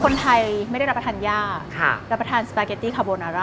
คนไทยไม่ได้รับประทานย่ารับประทานสปาเกตตี้คาโบนาร่า